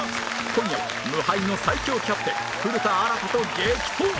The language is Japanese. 今夜は無敗の最強キャプテン古田新太と激闘！